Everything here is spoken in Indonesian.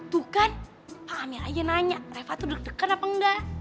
tuh kan pahamnya aja nanya reva tuh deg degan apa enggak